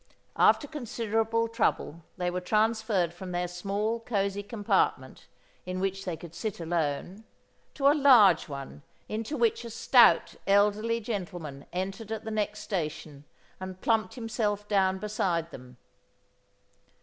After considerable trouble they were transferred from their small cosy compartment in which they could sit alone, to a large one into which a stout elderly gentleman entered at the next station and plumped himself down beside them.